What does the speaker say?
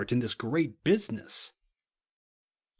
in this great businesfj